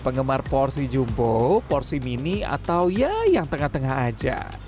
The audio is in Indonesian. penggemar porsi jumbo porsi mini atau ya yang tengah tengah aja